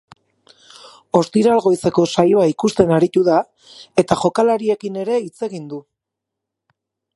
Ostiral goizeko saioa ikusten aritu da eta jokalariekin ere hitz egin du.